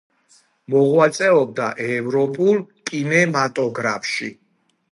მოღვაწეობდა ევროპულ კინემატოგრაფში.